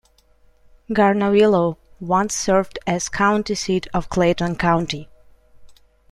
Garnavillo once served as county seat of Clayton County.